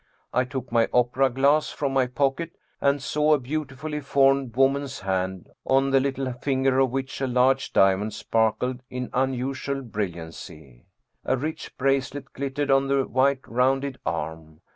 I took my opera glass from my pocket and saw a beautifully formed woman's hand, on the little finger of which a large diamond sparkled in unusual brilliancy ; a rich bracelet glittered on the white, rounded arm.